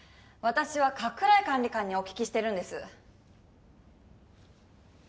私は加倉井管理官にお聞きしてるんです。